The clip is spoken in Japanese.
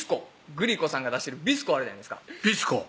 グリコさんが出してる「ビスコ」あるじゃないですか「ビスコ」